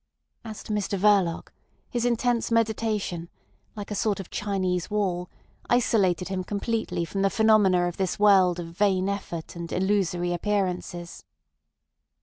As to Mr Verloc, his intense meditation, like a sort of Chinese wall, isolated him completely from the phenomena of this world of vain effort and illusory appearances.